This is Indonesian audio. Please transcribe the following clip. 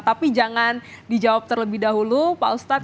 tapi jangan dijawab terlebih dahulu pak ustadz